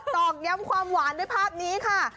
ตอกย้ำความหวานด้วยภาพนี้ค่ะ